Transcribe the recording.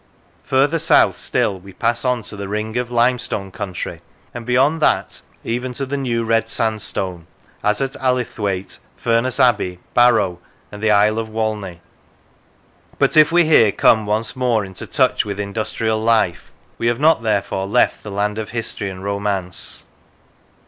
Further south still, we pass on to the ring of Limestone country, and beyond that even to the New Red Sandstone, as at Allithwaite, Furness Abbey, Barrow, and the Isle of Walney. But if we here come once more into touch with industrial life, we have not therefore left the land of history and romance.